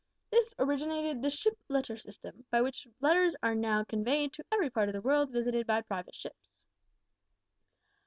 This originated the ship letter system, by which letters are now conveyed to every part of the world visited by private ships.